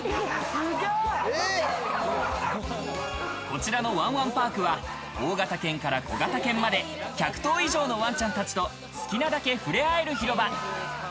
こちらのわんわんパークは大型犬から小型犬まで、１００頭以上のワンちゃんたちと好きなだけ触れ合える広場。